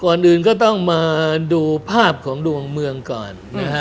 ก่อนอื่นก็ต้องมาดูภาพของดวงเมืองก่อน